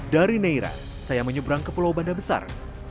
dari neira saya menyeberang ke pulau banda besar